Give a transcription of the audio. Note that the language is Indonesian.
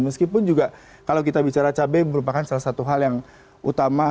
meskipun juga kalau kita bicara cabai merupakan salah satu hal yang utama